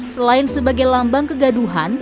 selain sebagai lambang kegaduhan